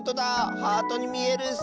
ハートにみえるッス！